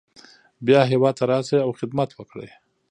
بیا هیواد ته راشئ او خدمت وکړئ.